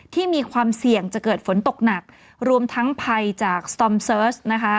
ที่มีความเสี่ยงจะเกิดฝนตกหนักรวมทั้งไพจากนะคะ